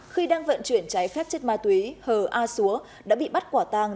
khi đang vận chuyển trái phép chất ma túy hờ a xúa đã bị bắt quả tàng